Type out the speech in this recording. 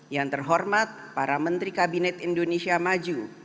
yang terhormat para menteri kabinet indonesia maju